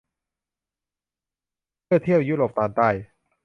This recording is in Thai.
เพื่อเที่ยวยุโรปตอนใต้